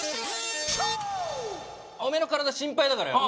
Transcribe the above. お前の体心配だからよ